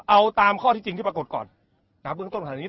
เอาตามข้อจริงที่ปรากฏก่อนภูมิต้องการเป็นอย่างนี้